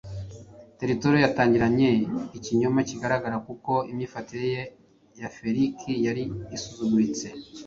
Teritulo yatangiranye ikinyoma kigaragara kuko imyifatire ya Feliki yari isuzuguritse.